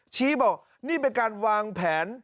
ชี้บอกนี่เป็นการวางแผน